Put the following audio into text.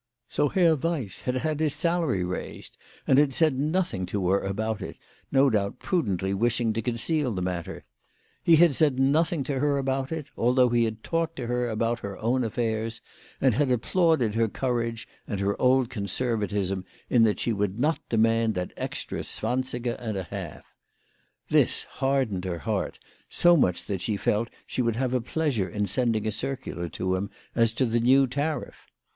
So Herr Weiss had had his salary raised, and had said nothing to her about it, no doubt prudently wishing to conceal the matter ! He had said nothing to her about it, although he had talked to her about her own affairs, and had applauded her courage and her old conservatism in that she would not demand that extra zwansiger and a half ! Thie hardened her heart so much that she felt she would have a pleasure in sending a circular to him as to the new tariff.